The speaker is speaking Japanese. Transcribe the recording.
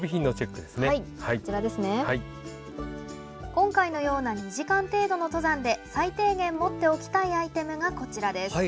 今回のような２時間程度の登山で最低限持っておきたいアイテムがこちらです。